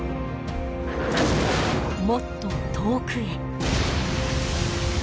もっと遠くへ。